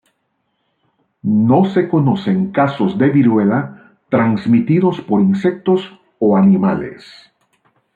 No se conocen casos de viruela transmitidos por insectos o animales.